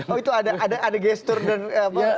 oh itu ada gesture dan apa